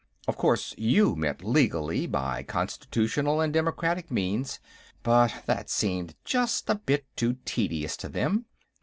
Of course, you meant legally, by constitutional and democratic means, but that seemed just a bit too tedious to them.